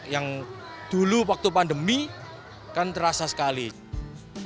yang dulu waktu pandemi kan terasa sekali